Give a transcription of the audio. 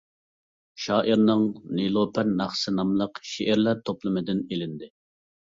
شائىرنىڭ «نېلۇپەر ناخشىسى» ناملىق شېئىرلار توپلىمىدىن ئېلىندى.